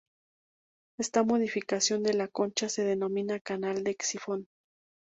Esta modificación de la concha se denomina canal del sifón.